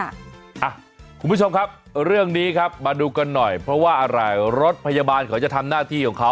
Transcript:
คุณผู้ชมครับเรื่องนี้ครับมาดูกันหน่อยเพราะว่าอะไรรถพยาบาลเขาจะทำหน้าที่ของเขา